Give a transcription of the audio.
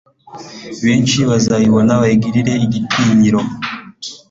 benshi bazabibona bayigirire igitinyiro